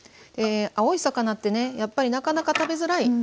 青い魚ってねやっぱりなかなか食べづらい。